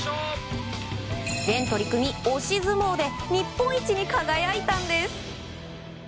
全取組、押し相撲で日本一に輝いたんです。